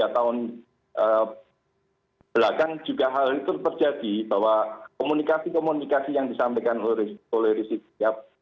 tiga tahun belakang juga hal itu terjadi bahwa komunikasi komunikasi yang disampaikan oleh rizik sihab